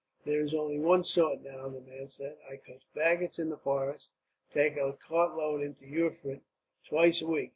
"There is only one sort, now," the man said. "I cut faggots in the forest, and take a cart load into Erfurt, twice a week.